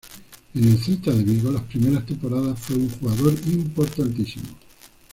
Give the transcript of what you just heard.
En el Celta de Vigo las primeras temporadas fue un jugador importantísimo.